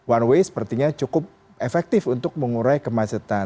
one way sepertinya cukup efektif untuk mengurai kemacetan